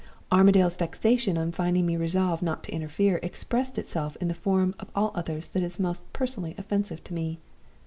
Armadale's vexation on finding me resolved not to interfere expressed itself in the form of all others that is most personally offensive to me.